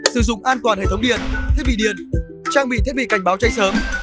sử dụng an toàn hệ thống điện thiết bị điện trang bị thiết bị cảnh báo cháy sớm